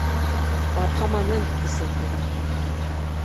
Арҡама мен, Кесе Туған.